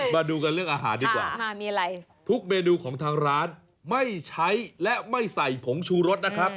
มาดูกันเรื่องอาหารดีกว่าทุกเมนูของทางร้านไม่ใช้และไม่ใส่ผงชูรสนะครับ